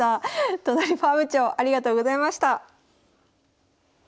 都成ファーム長ありがとうございました。